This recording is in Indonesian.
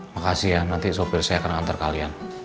makasih ya nanti sopir saya akan mengantar kalian